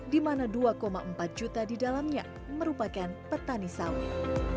di mana dua empat juta di dalamnya merupakan petani sawit